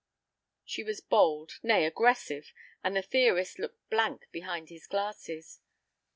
She was bold, nay, aggressive, and the theorist looked blank behind his glasses.